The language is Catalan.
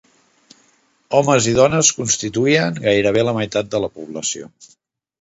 Homes i dones constituïen gairebé la meitat de la població.